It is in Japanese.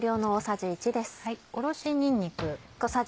おろしにんにく。